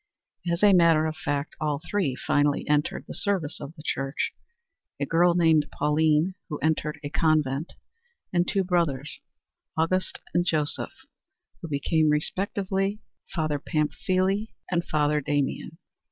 As a matter of fact all three finally entered the service of the Church a girl named Pauline who entered a convent and two brothers, Auguste and Joseph, who became respectively Father Pamphile and Father Damien.